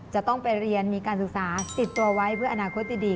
จะต้องไปเรียนมีการศึกษาติดตัวไว้เพื่ออนาคตดี